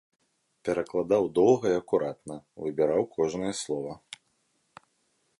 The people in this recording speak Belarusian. Перакладаў доўга і акуратна, выбіраў кожнае слова.